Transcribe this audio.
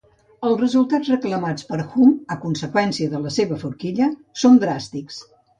Els resultats reclamats per Hume a conseqüència de la seva forquilla són dràstics.